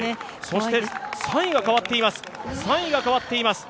そして３位が変わっています